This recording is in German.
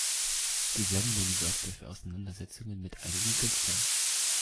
Die Sendung sorgte für Auseinandersetzungen mit einigen Künstlern.